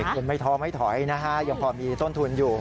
คุณไม่ท้อไม่ถอยอย่างพอมีส้นทุนอยู่